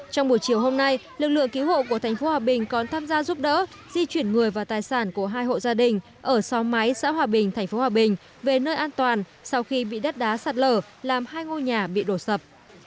trong buổi chiều hôm nay lực lượng cứu hộ của thành phố hòa bình còn tham gia giúp đỡ di chuyển người và tài sản của hai hộ gia đình ở xóm máy xã hòa bình tp hòa bình về nơi an toàn sau khi bị đất đá sạt lở làm hai ngôi nhà bị đổ sập